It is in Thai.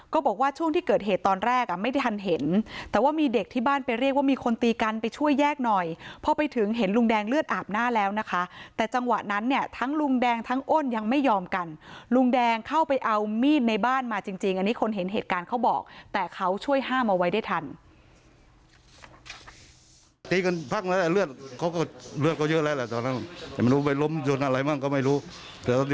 บอกว่าช่วงที่เกิดเหตุตอนแรกอ่ะไม่ได้ทันเห็นแต่ว่ามีเด็กที่บ้านไปเรียกว่ามีคนตีกันไปช่วยแยกหน่อยพอไปถึงเห็นลุงแดงเลือดอาบหน้าแล้วนะคะแต่จังหวะนั้นเนี่ยทั้งลุงแดงทั้งอ้นยังไม่ยอมกันลุงแดงเข้าไปเอามีดในบ้านมาจริงอันนี้คนเห็นเหตุการณ์เขาบอกแต่เขาช่วยห้ามเอาไว้ได้ทัน